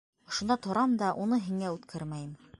Ошонда торам да уны һиңә үткәрмәйем!